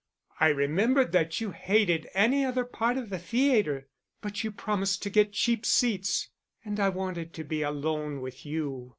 "I remembered that you hated any other part of the theatre." "But you promised to get cheap seats." "And I wanted to be alone with you."